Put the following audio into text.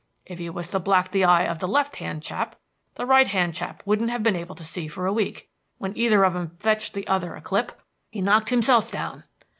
If you was to black the eye of the left hand chap, the right hand chap wouldn't have been able to see for a week. When either of 'em fetched the other a clip, he knocked himself down.